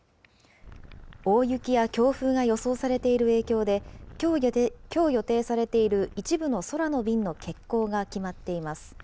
大雪や強風が予想されている影響で、きょう予定されている一部の空の便の欠航が決まっています。